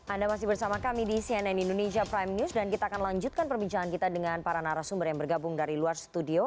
anda masih bersama kami di cnn indonesia prime news dan kita akan lanjutkan perbincangan kita dengan para narasumber yang bergabung dari luar studio